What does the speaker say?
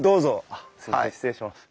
あっすいません失礼します。